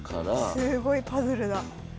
すごいパズルだ